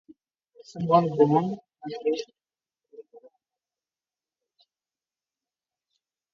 Cassels was born and raised in Bramalea, Ontario, where he played his minor hockey.